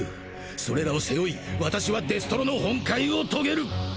それらを背負い私はデストロの本懐を遂げる！